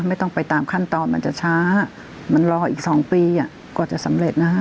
ไม่ต้องไปตามขั้นตอนมันจะช้ามันรออีก๒ปีกว่าจะสำเร็จนะฮะ